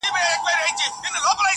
دا صفت مي په صفاتو کي د باز دی,